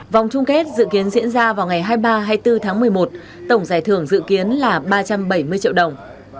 vòng chung kết dự kiến diễn ra vào ngày hai mươi ba hai mươi bốn tháng một mươi một tổng giải thưởng dự kiến là ba trăm bảy mươi triệu đồng